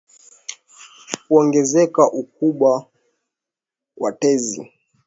Kuongezeka ukubwa kwa tezi